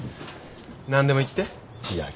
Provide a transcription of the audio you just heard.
何でも言って千明。